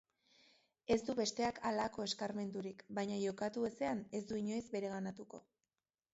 Ez du besteak halako eskarmenturik, baina jokatu ezean ez du inoiz bereganatuko.